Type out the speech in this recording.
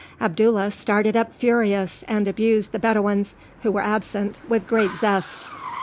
Abdullah started up furious, and abused the Bedouins, who were absent, with great zest.